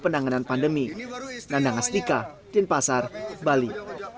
penanganan pandemi nandangastika dinpasar bali